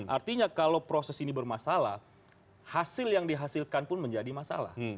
artinya kalau proses ini bermasalah hasil yang dihasilkan pun menjadi masalah